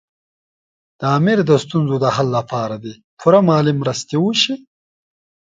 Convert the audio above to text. د امیر د ستونزو د حل لپاره دې پوره مالي مرستې وشي.